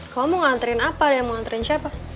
kamu mau nganturin apa ya mau nganturin siapa